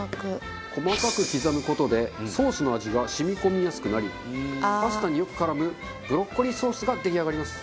細かく刻む事でソースの味が染み込みやすくなりパスタによく絡むブロッコリーソースが出来上がります。